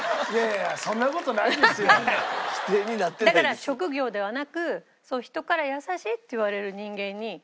だから職業ではなく人から優しいって言われる人間に。